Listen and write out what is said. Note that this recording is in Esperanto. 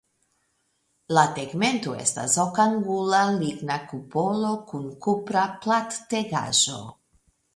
La tegmento estas okangula ligna kupolo kun kupra plattegaĵo.